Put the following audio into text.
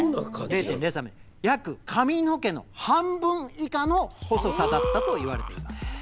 ０．０３ｍｍ約髪の毛の半分以下の細さだったといわれています。